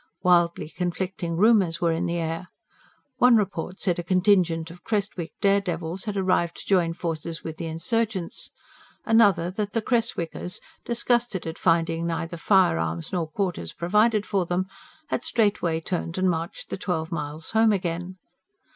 Wildly conflicting rumours were in the air. One report said a contingent of Creswick dare devils had arrived to join forces with the insurgents; another that the Creswickers, disgusted at finding neither firearms nor quarters provided for them, had straightway turned and marched the twelve miles home again.